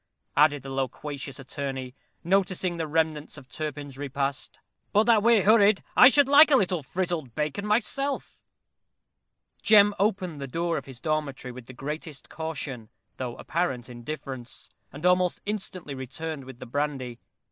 added the loquacious attorney, noticing the remnants of Turpin's repast. "But that we're hurried, I should like a little frizzled bacon myself." Jem opened the door of his dormitory with the greatest caution, though apparent indifference, and almost instantly returned with the brandy.